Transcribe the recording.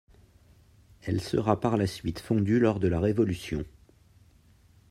Elle sera par la suite fondue lors de la Révolution.